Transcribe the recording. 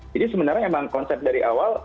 jadi sebenarnya emang konsep dari awal